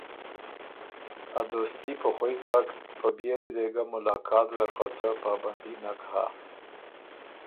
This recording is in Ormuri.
ا دوستي په خوئ ځاک، په بيېلی دې ګۀ ملاقات زر خه څۀ پابندي نک هۀ۔